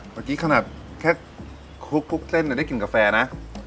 เมื่อกี้ขนาดแค่คลุกเส้นได้กินกาแฟนะ